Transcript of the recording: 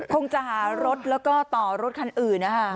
คงจะหารถแล้วก็ต่อรถคันอื่นนะคะ